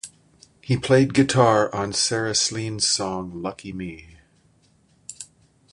He played guitar on Sarah Slean's song "Lucky Me".